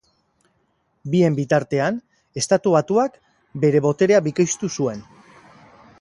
Bien bitartean, Estatu Batuak bere boterea bikoiztu zuen.